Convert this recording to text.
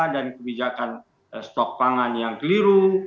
dan kebijakan stok pangan yang keliru